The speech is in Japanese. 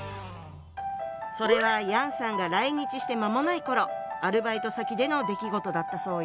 それは楊さんが来日して間もない頃アルバイト先での出来事だったそうよ。